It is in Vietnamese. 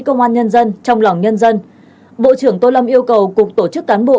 công an nhân dân trong lòng nhân dân bộ trưởng tô lâm yêu cầu cục tổ chức cán bộ